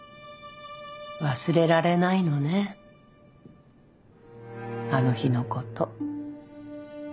忘れられないのねあの日のこと。